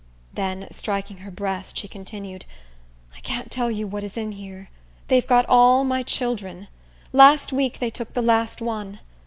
Then, striking her breast, she continued, "I can't tell you what is in here! They've got all my children. Last week they took the last one.